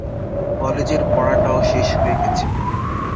কলেজের পড়াটাও শেষ হয়ে গেছে।